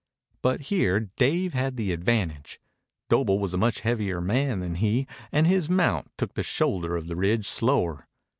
But here Dave had the advantage. Doble was a much heavier man than he, and his mount took the shoulder of the ridge slower.